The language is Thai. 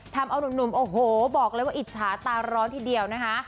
ทำเอานุ่มโอ้โหบอกเลยว่าอิจฉาตาร้อนทีเดียวนะคะ